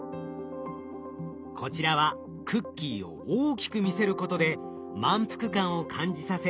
こちらはクッキーを大きく見せることで満腹感を感じさせ